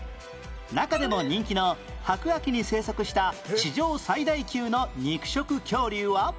中でも人気の白亜紀に生息した史上最大級の肉食恐竜は？